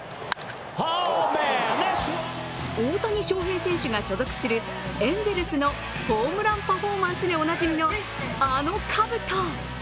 大谷翔平選手が所属するエンゼルスのホームランパフォーマンスでおなじみの、あのかぶと。